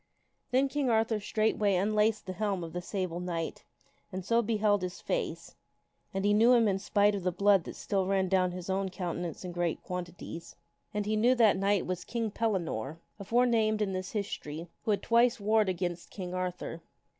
Then King Arthur straightway unlaced the helm of the Sable Knight and so beheld his face, and he knew him in spite of the blood that still ran down his own countenance in great quantities, and he knew that knight was King Pellinore, aforenamed in this his tory, who had twice warred against King Arthur.